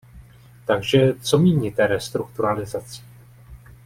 Takže co míníte restrukturalizací?